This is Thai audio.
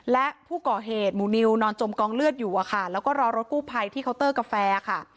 และผู้ก่อเหตุหมู่นิวนอนจมกองเลือดอยู่อะค่ะแล้วก็รอรถกู้ภัยที่เคาน์เตอร์กาแฟค่ะ